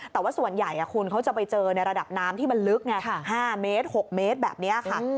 แต่ว่าส่วนใหญ่คุณเขาจะไปเจอในระดับน้ำที่มันลึกไง๕เมตร๖เมตรแบบนี้ค่ะ